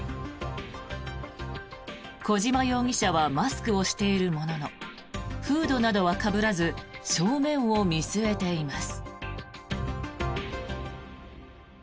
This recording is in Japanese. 小島容疑者はマスクをしているもののフードなどはかぶらず正面を見据えています。